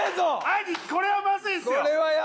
兄貴これはまずいっすよ。